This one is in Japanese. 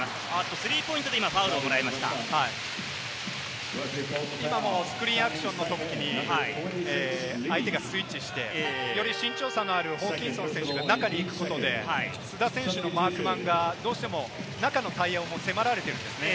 スリーポイントで今ファウルをも今もスクリーンアクションのときに相手がスイッチして、より慎重さのあるホーキンソン選手が中に行くことで、須田選手のマークマンがどうしても中の対応も迫られているんですね。